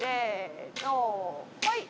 はい。